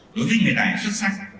đối với người tài xuất sắc